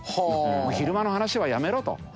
昼間の話はやめろと。